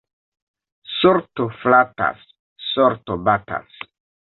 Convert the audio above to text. Sorto flatas, sorto batas.